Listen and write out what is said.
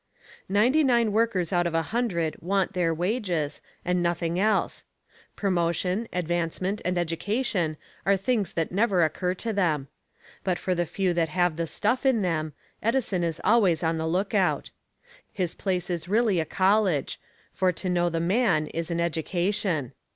Ninety nine workers out of a hundred want their wages, and nothing else. Promotion, advancement and education are things that never occur to them. But for the few that have the stuff in them, Edison is always on the lookout. His place is really a college, for to know the man is an education.